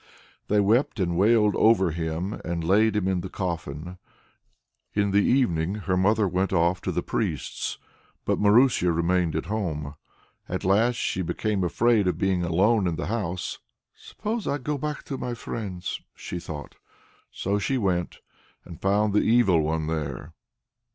They wept and wailed over him, and laid him in the coffin. In the evening her mother went off to the priest's, but Marusia remained at home. At last she became afraid of being alone in the house. "Suppose I go to my friends," she thought. So she went, and found the Evil One there.